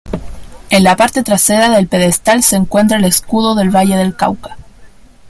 En la parte trasera del pedestal se encuentra el Escudo del Valle del Cauca.